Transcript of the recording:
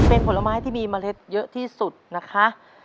เป็นผลไม้ที่มีเมล็ดเยอะที่สุดนะคะ